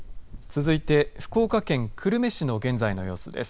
続いて福岡県久留米市の現在の様子です。